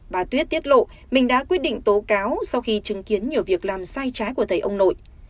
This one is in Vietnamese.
bà tuyết tiết lộ mình đã quyết định tố cáo sau khi chứng kiến nhiều việc làm sai trái của thầy ông nội